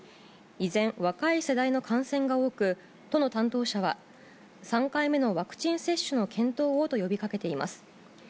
依然、若い世代の感染が多く、都の担当者は、３回目のワクチン接種の検討をと呼びかけています。